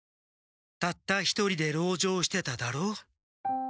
たった一人で籠城してただろう？